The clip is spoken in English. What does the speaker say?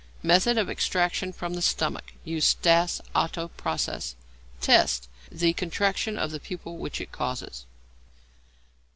Method of Extraction from the Stomach. Use Stas Otto process. Test. The contraction of the pupil which it causes.